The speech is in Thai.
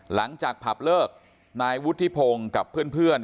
หลังจากผับเลิกนายวุฒิพงศ์กับเพื่อน